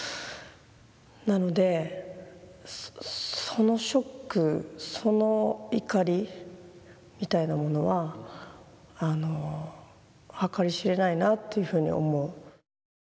なのでそのショックその怒りみたいなものは計り知れないなというふうに思う。